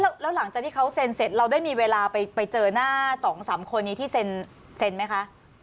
แล้วหลังจากที่เขาเซ็นเสร็จเราได้มีเวลาไปเจอหน้า๒๓คนนี้ที่เซ็นไหมคะ